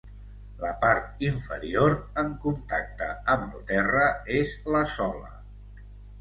La part inferior, en contacte amb el terra, és la sola.